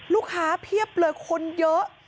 ลูกค้าเพียบเลยคนเยอะ